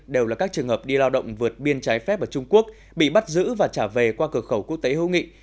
đều là các trường hợp đi lao động vượt biên trái phép ở trung quốc bị bắt giữ và trả về qua cửa khẩu quốc tế hữu nghị